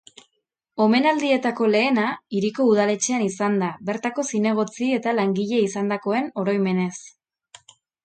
Omenaldietako lehena hiriko udaletxean izan da, bertako zinegotzi eta langile izandakoen oroimenez.